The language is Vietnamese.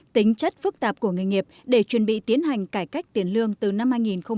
tính chất phức tạp của nghề nghiệp để chuẩn bị tiến hành cải cách tiền lương từ năm hai nghìn hai mươi một